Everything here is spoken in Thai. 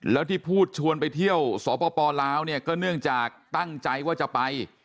แล้วที่พูดชวนไปเที่ยวสปลาวเนี่ยก็เนื่องจากตั้งใจว่าจะไป